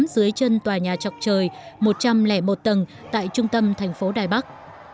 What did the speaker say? dưới chân tòa nhà chọc trời một trăm linh một tầng tại trung tâm thành phố đài bắc